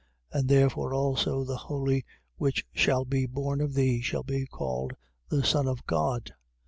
And therefore also the Holy which shall be born of thee shall be called the Son of God.